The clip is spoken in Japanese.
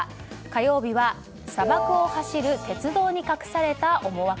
火曜日は砂漠を走る鉄道に隠された思惑。